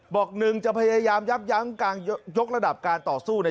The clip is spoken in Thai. บอกหนึ่งจะพยายามยับยั้งการยกระดับการต่อสู้เนี่ย